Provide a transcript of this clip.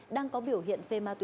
đang có biểu hiện